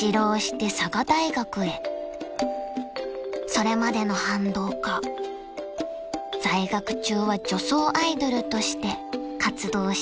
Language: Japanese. ［それまでの反動か在学中は女装アイドルとして活動した時期もあります］